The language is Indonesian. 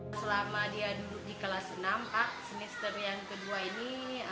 selama dia duduk di kelas enam pak semester yang kedua ini